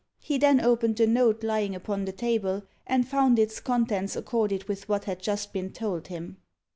He then opened the note lying upon the table, and found its contents accorded with what had just been told him.